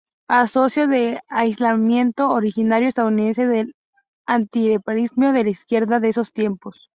Asoció el aislacionismo originario estadounidense al antiimperialismo de la izquierda de esos tiempos.